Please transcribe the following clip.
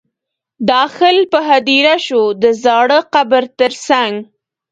داخل په هدیره شو د زاړه قبر تر څنګ.